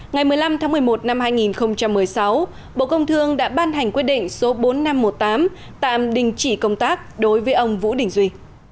ngày một mươi năm tháng một mươi một năm hai nghìn một mươi sáu bộ công thương đã ban hành quyết định số bốn nghìn năm trăm một mươi tám tạm đình chỉ công tác đối với ông vũ đình duy